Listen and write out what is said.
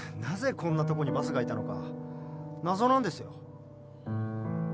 なぜこんなとこにバスがいたのか謎なんですよ。